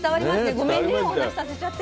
ごめんねお話させちゃって。